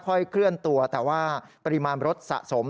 เคลื่อนตัวแต่ว่าปริมาณรถสะสม